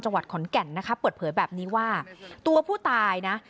จังหวัดขอนแก่นนะคะเปิดเผยแบบนี้ว่าตัวผู้ตายนะ